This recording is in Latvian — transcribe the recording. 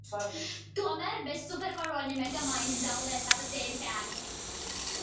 Tomēr bez supervaroņa Megamainds zaudē savas dzīves jēgu.